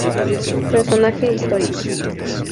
Personaje histórico